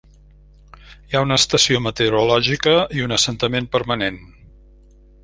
Hi ha una estació meteorològica i un assentament permanent.